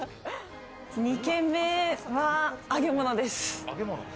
２軒目は揚げ物です。